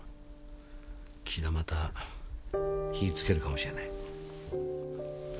また火ぃつけるかもしれない。